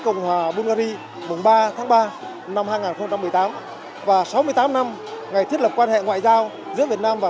cộng hòa bungary mùng ba tháng ba năm hai nghìn một mươi tám và sáu mươi tám năm ngày thiết lập quan hệ ngoại giao giữa việt nam và